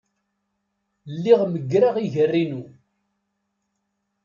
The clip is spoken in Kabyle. Lliɣ meggreɣ iger-inu.